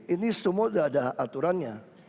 ini semua sudah ada aturannya